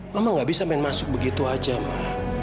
mama gak bisa main masuk begitu aja ma